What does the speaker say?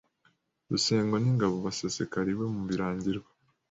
Rusengo n’Ingabo basesekara iwe mu Birangirwa.